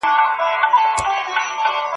هره کلمه ورته نوې وه.